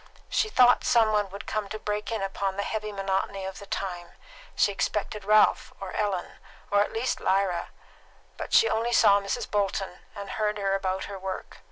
She thought some one would come to break in upon the heavy monotony of the time; she expected Ralph or Ellen, or at least Lyra; but she only saw Mrs. Bolton, and heard her about her work.